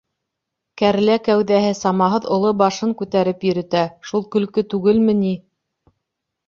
Кәрлә кәүҙәһе самаһыҙ оло башын саҡ күтәреп йөрөтә, шул көлкө түгелме ни?